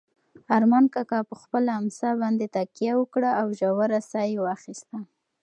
ارمان کاکا په خپله امسا باندې تکیه وکړه او ژوره ساه یې واخیسته.